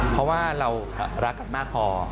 เพราะว่าเรารักกันมากพอ